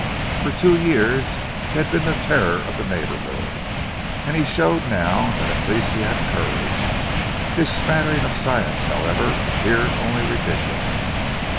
For two years he had been the terror of the neighbourhood, and he showed now that at least he had courage. His smattering of science, however, appeared only ridiculous.